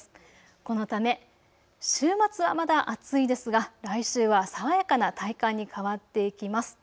このため週末はまだ暑いですが来週はさわやかな体感に変わっていきます。